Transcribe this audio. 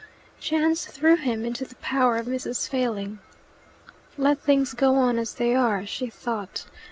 Chance threw him into the power of Mrs. Failing. "Let things go on as they are," she thought.